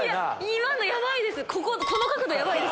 今のヤバいです！